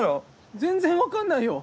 全然分かんないよ。